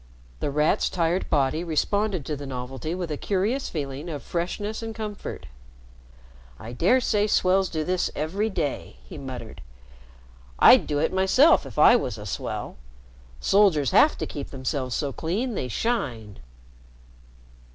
The Rat's tired body responded to the novelty with a curious feeling of freshness and comfort. "I dare say swells do this every day," he muttered. "I'd do it myself if I was a swell. Soldiers have to keep themselves so clean they shine."